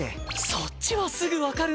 そっちはすぐわかるんだ。